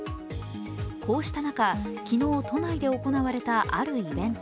こうした中、昨日都内で行われたあるイベント。